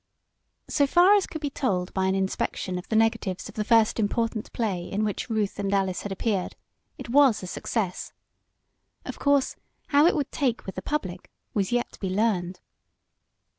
So far as could be told by an inspection of the negatives of the first important play in which Ruth and Alice had appeared, it was a success. Of course how it would "take" with the public was yet to be learned.